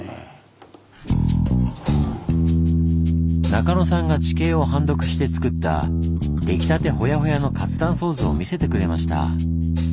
中埜さんが地形を判読して作ったできたてホヤホヤの活断層図を見せてくれました。